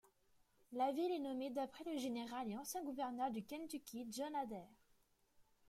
La ville est nommée d'après le général et ancien gouverneur du Kentucky John Adair.